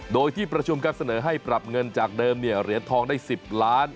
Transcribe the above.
โดยที่ประชุมครับเสนอให้ปรับเงินจากเดิมเหรียญทองได้๑๐ล้าน